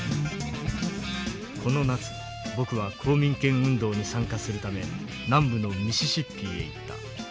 「この夏僕は公民権運動に参加するため南部のミシシッピへ行った。